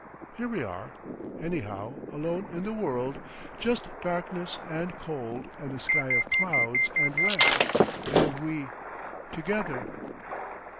Here we are, anyhow, alone in the world. Just darkness and cold and a sky of clouds and wet. And we—together.